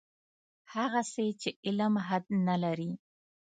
هغسې چې علم حد نه لري.